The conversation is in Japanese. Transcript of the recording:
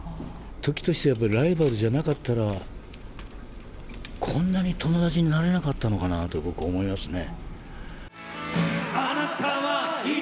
時としてライバルじゃなかったら、こんなに友達になれなかったのかなと僕は思いますね。